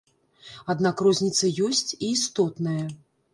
Аднак розніца ёсць, і істотная.